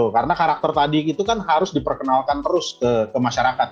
karena karakter tadi itu kan harus diperkenalkan terus ke masyarakat